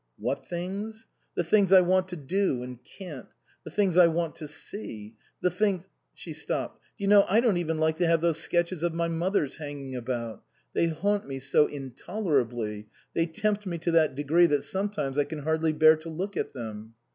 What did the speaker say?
" What things ? The things I want to do and can't ; the things I want to see the things " She stopped. "Do you know, I don't even like to have those sketches of my mother's hanging about ; they haunt me so intolerably, they tempt me to that degree that sometimes I can hardly bear to look at them."